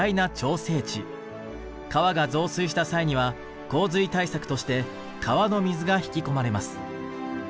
川が増水した際には洪水対策として川の水が引き込まれます。